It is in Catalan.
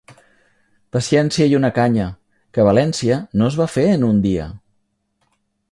Paciència i una canya, que València no es va fer en un dia.